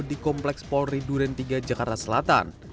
di kompleks polri duren tiga jakarta selatan